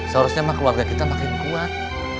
seharusnya keluarga kita makin kuat